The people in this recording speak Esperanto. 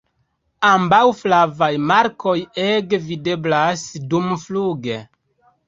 Ambaŭ flavaj markoj ege videblas dumfluge.